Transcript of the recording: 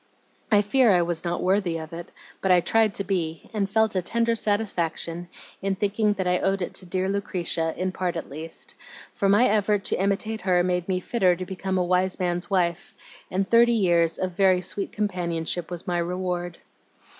I fear I was not worthy of it, but I tried to be, and felt a tender satisfaction in thinking that I owed it to dear Lucretia, in part at least; for my effort to imitate her made me fitter to become a wise man's wife, and thirty years of very sweet companionship was my reward."